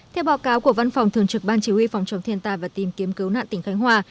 theo báo cáo của văn phòng thường trực ban chỉ huy phòng chống thiên tai và tìm kiếm cứu nạn tỉnh khánh hòa